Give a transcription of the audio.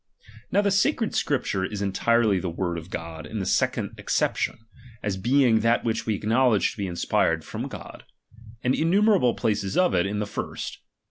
Now the sacred Scripture is entirely the word of God in this second acception, as being that which we acknowledge to be inspired from God ; and innumerable places of it, in the first.